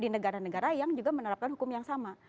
di negara negara yang juga menerapkan hukum yang sama